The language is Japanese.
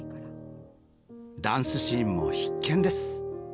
ダンスシーンも必見です！